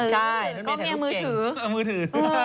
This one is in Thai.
ใช่กล้องพี่เหมียวถ่ายรูปเจ๋งเออมือถือ